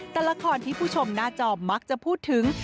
แต่ละครที่ผู้ชมหน้าจอมักจะพูดถึง